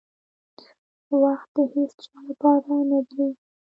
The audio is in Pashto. • وخت د هیڅ چا لپاره نه درېږي.